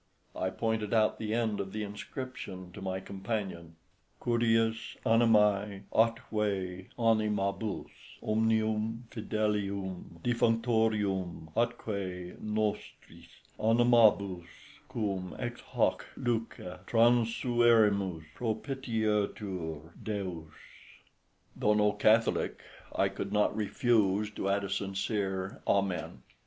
I pointed out the end of the inscription to my companion "CVIVS ANIMÆ, ATQVE ANIMABVS OMNIVM FIDELIVM DEFVNCTORVM, ATQVE NOSTRIS ANIMABVS QVVM EX HAC LVCE TRANSIVERIMVS, PROPITIETVR DEVS." Though no Catholic, I could not refuse to add a sincere Amen.